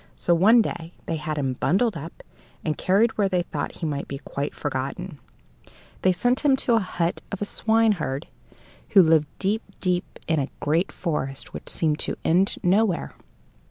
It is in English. So one day they had him bundled up and carried where they thought he might be quite forgotten. They sent him to the hut of a swineherd who lived deep, deep in a great forest which seemed to end nowhere.